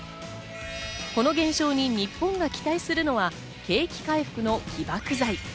この現象に日本が期待するのは景気回復の起爆剤。